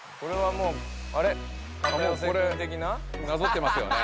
もうこれなぞってますよね。